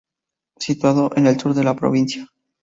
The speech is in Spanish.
Situado en el sur de la provincia.